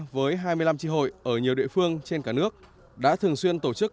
với hai mươi năm tri hội ở nhiều địa phương trên cả nước đã thường xuyên tổ chức